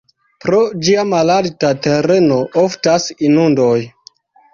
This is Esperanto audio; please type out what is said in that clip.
Pro ĝia malalta tereno oftas inundoj.